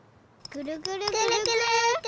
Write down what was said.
ぐるぐるぐるぐる。